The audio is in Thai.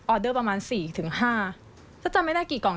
ออเดอร์ประมาณ๔๕ปกติช่างจะไม่อยู่กี่กล่อง